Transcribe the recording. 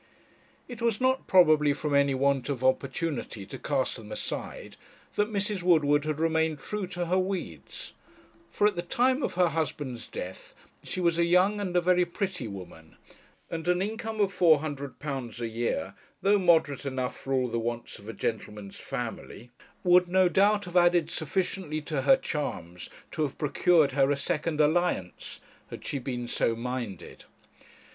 It was not, probably, from any want of opportunity to cast them aside, that Mrs. Woodward had remained true to her weeds; for at the time of her husband's death she was a young and a very pretty woman; and an income of £400 a year, though moderate enough for all the wants of a gentleman's family, would no doubt have added sufficiently to her charms to have procured her a second alliance, had she been so minded.